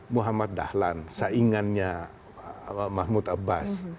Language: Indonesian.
muhammad dahlan saingannya mahmud abbas